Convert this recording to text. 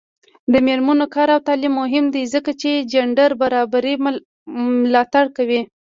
د میرمنو کار او تعلیم مهم دی ځکه چې جنډر برابرۍ ملاتړ کوي.